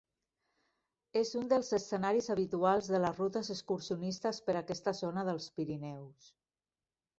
És un dels escenaris habituals de les rutes excursionistes per aquesta zona dels Pirineus.